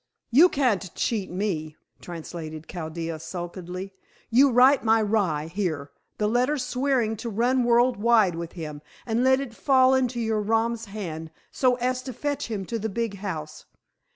"You can't cheat me," translated Chaldea sulkily. "You write my rye, here, the letter swearing to run world wide with him, and let it fall into your rom's hands, so as to fetch him to the big house.